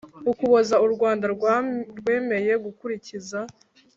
Ukuboza u Rwanda rwemeye gukurikiza